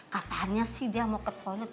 katanya sih dia mau ketonet